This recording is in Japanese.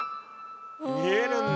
見えるんだ。